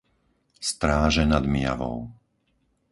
Stráže nad Myjavou